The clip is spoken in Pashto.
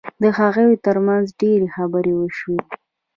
د هغوی ترمنځ ډېرې خبرې وشوې